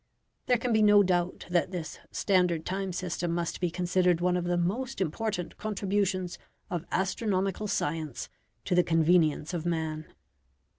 There can be no doubt that this standard time system must be considered one of the most important contributions of astronomical science to the convenience of man.